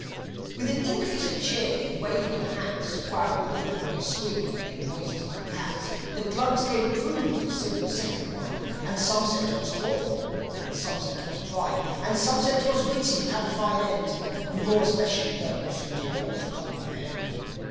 ................... With an increase of cheering and waving of hats While the little boys squealed, and made noises like cats The Glugs gave approval to Sym's second rhyme. And some said 'twas thoughtful, and some said 'twas prime; And some said 'twas witty, and had a fine end: More especially those who did not comprehend.